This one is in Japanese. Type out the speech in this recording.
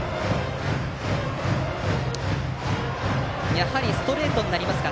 やはりストレートになりますか？